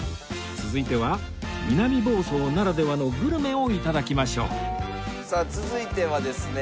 続いては南房総ならではのグルメを頂きましょうさあ続いてはですね